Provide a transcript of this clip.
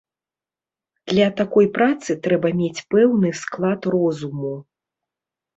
Для такой працы трэба мець пэўны склад розуму.